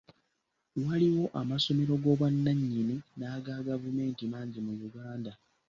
Waliwo amasomero g'obwannanyini n'aga gavumenti mangi mu Uganda.